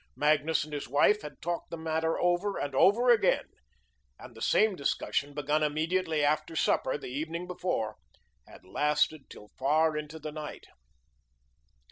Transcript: Magnus and his wife had talked this matter over and over again; and the same discussion, begun immediately after supper the evening before, had lasted till far into the night.